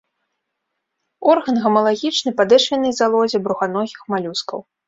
Орган гамалагічны падэшвеннай залозе бруханогіх малюскаў.